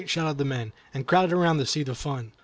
shouted the men, and crowded around to see the fun.